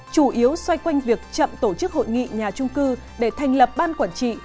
chủ yếu xoay quanh việc chậm tổ chức hội nghị nhà trung cư để thành lập ban quản trị